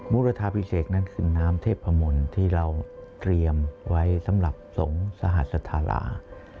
บุรทาพิเศษนั่นคือน้ำเทพมนต์ที่เราเตรียมไว้สำหรับสงฆ์สหสธารา